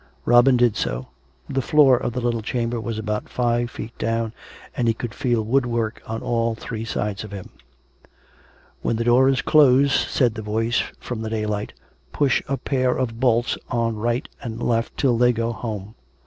Robin did so. The floor of the little chamber was about five feet down, and he could feel woodwork on all three sides of him. COME RACK! COME ROPE! 393 " When the door is closed," said the voice from the day light, " push a pair of bolts on right and left till they go home.